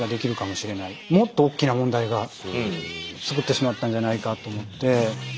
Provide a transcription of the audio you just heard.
もっと大きな問題が作ってしまったんじゃないかと思って。